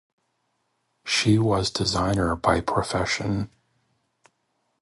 She was designer by profession.